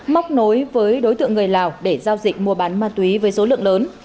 móc nối với đối tượng người lào để giao dịch mua bán ma túy với số lượng lớn